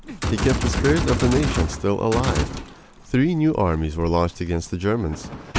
He kept the spirit of the nation still alive. Three new armies were launched against the Germans.